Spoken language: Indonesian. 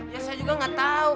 ya saya juga nggak tahu